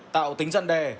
tạo tính dân đề